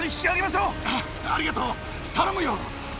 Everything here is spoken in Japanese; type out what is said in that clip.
ありがとう、頼むよ！